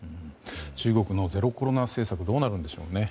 中国のゼロコロナ政策どうなるんでしょうね。